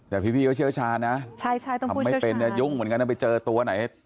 แต่พี่ก็เชี่ยวชาญนะทำไม่เป็นเนี่ยยุ่งเหมือนกันนะไปเจอตัวไหน